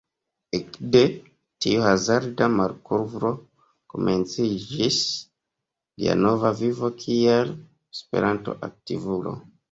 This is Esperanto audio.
Ekde tiu hazarda malkovro komenciĝis lia nova vivo kiel Esperanto-aktivulo.